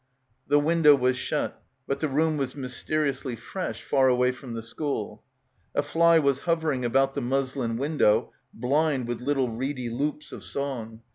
The window was shut. But the room was mys teriously fresh, far away from the school. A fly was hovering about the muslin window blind with little reedy loops of song.